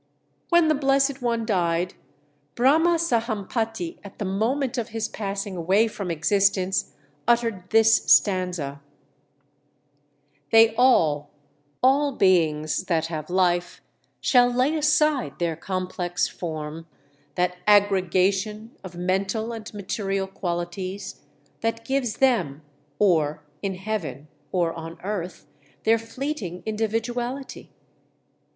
When the Blessed One died, Brahma Sahampati, at the moment of his passing away from existence, uttered this stanza: "They all, all beings that have life, shall lay Aside their complex form that aggregation Of mental and material qualities, That gives them, or in heaven or on earth, Their fleeting individuality!